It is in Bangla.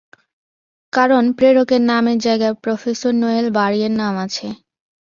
কারণ, প্রেরকের নামের জায়গায় প্রফেসর নোয়েল বার্গের নাম আছে।